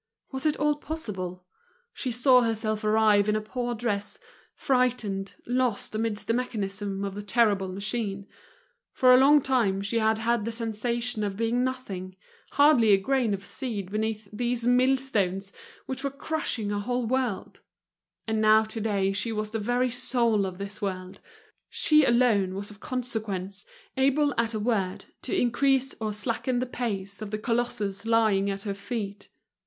Was it all possible? She saw herself arrive in a poor dress, frightened, lost amidst the mechanism of the terrible machine; for a long time she had had the sensation of being nothing, hardly a grain of seed beneath these millstones which were crushing a whole world; and now today she was the very soul of this world, she alone was of consequence, able at a word to increase or slacken the pace of the colossus lying at her feet.